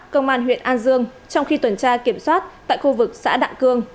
công an huyện an dương trong khi tuần tra kiểm soát tại khu vực xã đặng cương